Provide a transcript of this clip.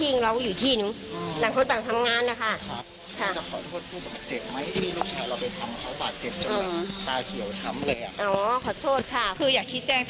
พี่ชายเขาบอกว่าเขาไม่ได้ทำเขาปฏิเสธ